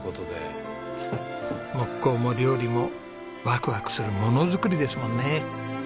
木工も料理もワクワクする物作りですもんね。